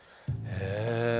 へえ。